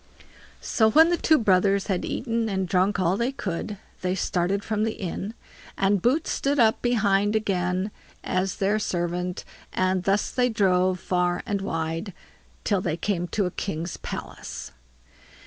So when the two brothers had eaten and drunk all they could, they started from the inn, and Boots stood up behind again as their servant, and thus they drove far and wide, till they came to a king's palace.